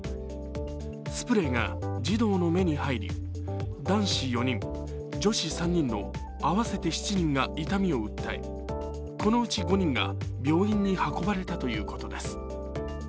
スプレーが児童の目に入り男子４人、女子３人の合わせて７人が痛みを訴え、このうち５人が病院に運ばれたということです。